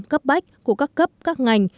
cấp bách của các cấp các ngành